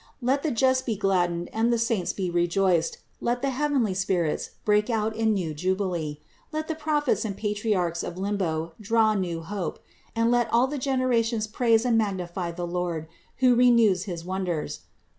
Let the just be gladdened and the saints be rejoiced; let the heavenly spirits break out in new jubilee, let the Prophets and Patriarchs of limbo draw new hope, and let all the generations praise and magnify the Lord, who renews his wonders.